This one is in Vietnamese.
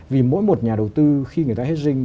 vì mỗi một nhà đầu tư khi người ta hết dinh